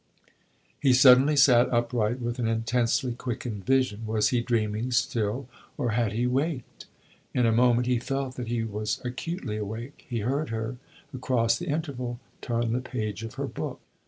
He suddenly sat upright, with an intensely quickened vision. Was he dreaming still, or had he waked? In a moment he felt that he was acutely awake; he heard her, across the interval, turn the page of her book.